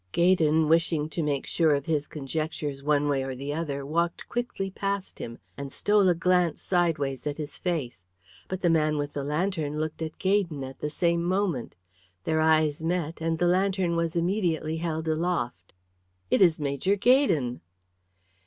Gaydon, wishing to make sure of his conjectures one way or the other, walked quickly past him and stole a glance sideways at his face. But the man with the lantern looked at Gaydon at the same moment. Their eyes met, and the lantern was immediately held aloft. "It is Major Gaydon."